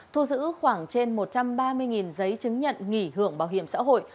thu giữ khoảng trên một trăm ba mươi giấy chứng nhận nghỉ hưởng bảo hiểm xã hội